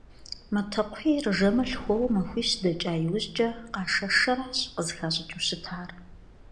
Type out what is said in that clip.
Матэкхъуейр жэмыр лъхуэуэ махуищ дэкӀа иужькӀэ къаша шэращ къызыхащӀыкӀыу щытар.